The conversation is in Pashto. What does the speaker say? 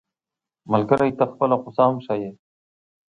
ملګری ته خپله غوسه هم ښيي